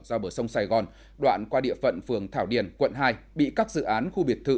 ra bờ sông sài gòn đoạn qua địa phận phường thảo điền quận hai bị các dự án khu biệt thự